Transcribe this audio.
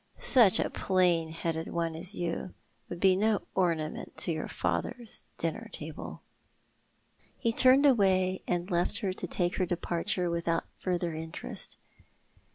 Such a plain headed one as you would be no ornament to your father's dinner table." He turned away and left her to take her departure without further interest.